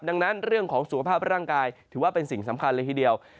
ดังนั้นเรื่องของสุขภาพร่างกายถือว่าเป็นสิ่งสำคัญเลยทีเดียว